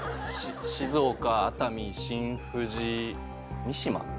静岡熱海新富士三島？